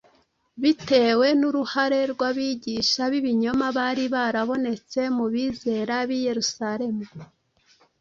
Bitewe n’uruhare rw’abigisha b’ibinyoma bari barabonetse mu bizera b’i Yerusalemu;